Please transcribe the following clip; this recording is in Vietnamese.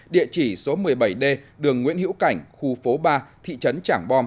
địa chỉ số một mươi bảy d đường nguyễn hữu cảnh khu phố ba thị trấn trảng bom